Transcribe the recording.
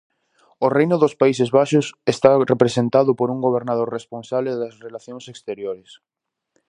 O Reino dos Países Baixos está representado por un gobernador responsable das relacións exteriores.